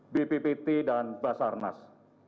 bppt dan basarnas